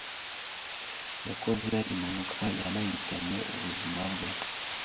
yakoze impanuka yanahitanye ubuzima bwe,